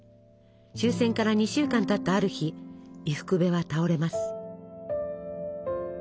終戦から２週間たったある日伊福部は倒れます。